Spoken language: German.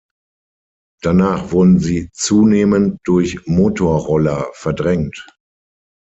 Danach wurden sie zunehmend durch Motorroller verdrängt.